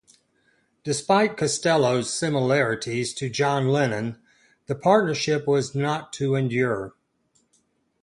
Despite Costello's similarities to John Lennon, the partnership was not to endure.